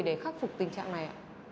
để khắc phục tình trạng này ạ